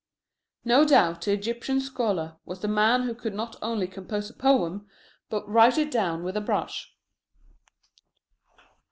No doubt the Egyptian scholar was the man who could not only compose a poem, but write it down with a brush.